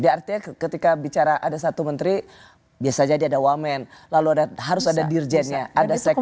artinya ketika bicara ada satu menteri biasa jadi ada wamen lalu harus ada dirjennya ada sekjen